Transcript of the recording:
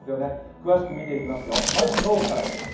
詳しく見ていきますよ、まず今日からです。